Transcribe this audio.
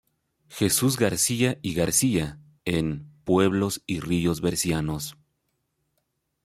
Jesús García y García en "Pueblo y ríos bercianos.